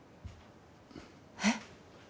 えっ？